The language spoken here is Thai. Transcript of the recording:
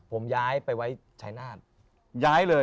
ผมย้ายไปไว้ชายนาฬ